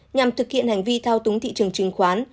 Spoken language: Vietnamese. nhằm thực hiện hành vi thao túng thị trường chứng khoán